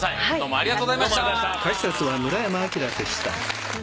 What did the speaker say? ありがとうございます。